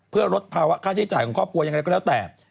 เพื่อลดภาวะค่าใช้จ่ายของครอบครัวอย่างไรก็แล้วแต่